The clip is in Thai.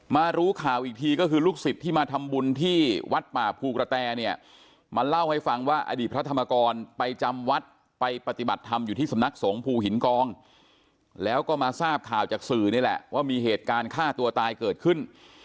รู้ข่าวอีกทีก็คือลูกศิษย์ที่มาทำบุญที่วัดป่าภูกระแตเนี่ยมาเล่าให้ฟังว่าอดีตพระธรรมกรไปจำวัดไปปฏิบัติธรรมอยู่ที่สำนักสงภูหินกองแล้วก็มาทราบข่าวจากสื่อนี่แหละว่ามีเหตุการณ์ฆ่าตัวตายเกิดขึ้น